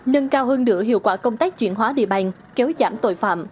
nâng cao hơn nửa hiệu quả công tác chuyển hóa địa bàn kéo giảm tội phạm